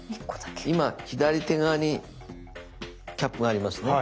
今左手側にキャップがありますね。